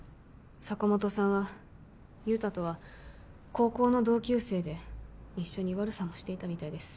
坂本さんは雄太とは高校の同級生で一緒に悪さもしていたみたいです